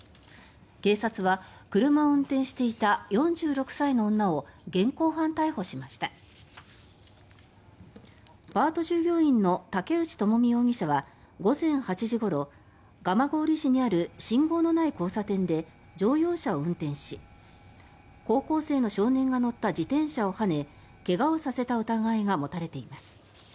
警察は、車を運転していた４６歳の女を現行犯逮捕しましたパート従業員の竹内友見容疑者は午前８時ごろ蒲郡市にある信号のない交差点で乗用車を運転し高校生の少年が乗った自転車をはね怪我をさせた疑いが持たれています。